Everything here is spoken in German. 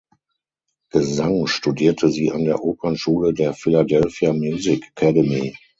Gesang studierte sie an der Opernschule der Philadelphia Music Academy.